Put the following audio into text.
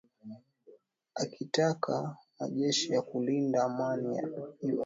akitaka majeshi ya kulinda amani ya un